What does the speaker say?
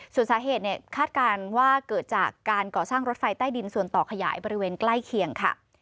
ส่วนสาเหตุคาดการณ์ว่าเกิดจากการก่อสร้างรถไฟใต้ดินส่วนต่อขยายบริเวณใกล้เคียงค่ะ